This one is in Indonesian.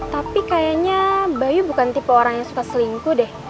tapi kayaknya bayu bukan tipe orang yang suka selingkuh deh